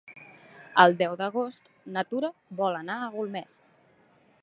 El deu d'agost na Tura vol anar a Golmés.